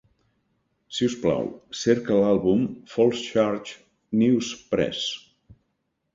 Si us plau, cerca l'àlbum Falls Church News-Press.